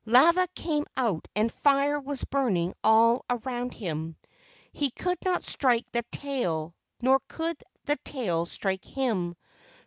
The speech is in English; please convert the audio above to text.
Lava came out and fire was burning all around him. He could not strike the tail, nor could the tail strike him.